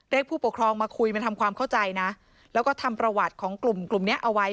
ผู้ปกครองมาคุยมาทำความเข้าใจนะแล้วก็ทำประวัติของกลุ่มกลุ่มนี้เอาไว้